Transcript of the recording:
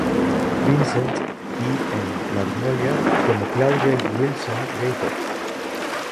Vincent, y en "Magnolia", como Claudia Wilson Gator.